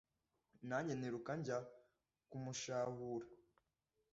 Nanjye niruka njya kumushahura.